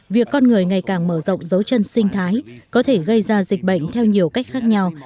việc con người ngày càng mở rộng dấu chân sinh thái có thể gây ra dịch bệnh theo nhiều cách khác nhau